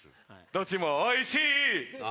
どっちもおいしい